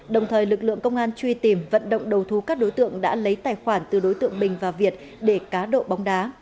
đồng thời lực lượng công an truy tìm vận động đầu thú các đối tượng đã lấy tài khoản từ đối tượng bình và việt để cá độ bóng đá